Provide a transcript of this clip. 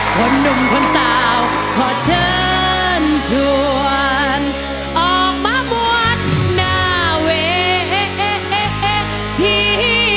คนหนุ่มคนสาวขอเชิญชวนออกมาหมวดหน้าเวที